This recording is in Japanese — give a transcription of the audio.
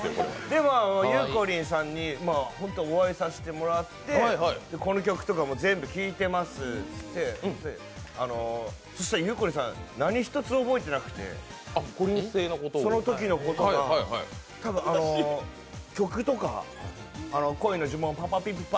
でも、ゆうこりんさんにお会いさせてもらって、この曲とかも全部聴いてますって言って、ゆうこりんさん何一つ覚えてなくて、そのときのこと、多分、曲とか「恋の呪文はパパピプパ」